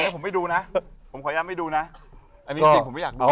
ผมไม่ดูนะผมขออนุญาตไม่ดูนะ